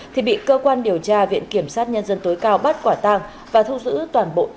thì bị cơ quan điều tra viện kiểm sát nhân dân tối cao bắt quả tàng và thu giữ toàn bộ tàng vật